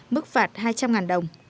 mức phạt hai trăm linh đồng